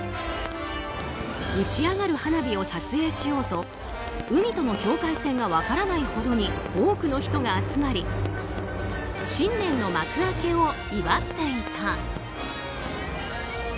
打ち上がる花火を撮影しようと海との境界線が分からないほどに多くの人が集まり新年の幕開けを祝っていた。